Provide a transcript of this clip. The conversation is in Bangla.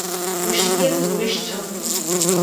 রসিকের প্রবেশ চন্দ্র।